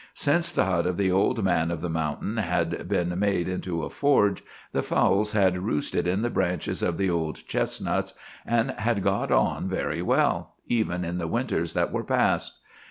Since the hut of the old man of the mountain had been made into a forge, the fowls had roosted in the branches of the old chestnuts, and had got on very well, even in the winters that were past.